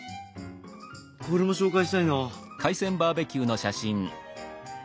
これも紹介したいな。